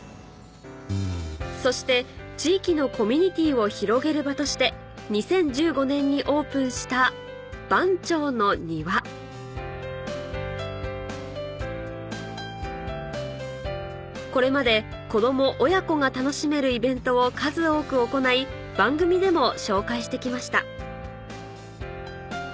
そして地域のコミュニティーを広げる場として２０１５年にオープンしたこれまで子供親子が楽しめるイベントを数多く行い番組でも紹介して来ました